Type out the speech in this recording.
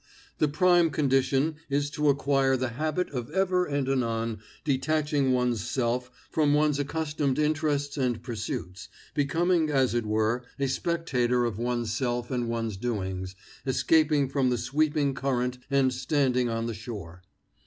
The prime condition is to acquire the habit of ever and anon detaching one's self from one's accustomed interests and pursuits, becoming, as it were, a spectator of one's self and one's doings, escaping from the sweeping current and standing on the shore.